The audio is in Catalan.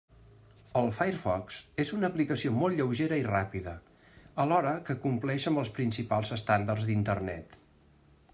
El Firefox és una aplicació molt lleugera i ràpida, alhora que compleix amb els principals estàndards d'Internet.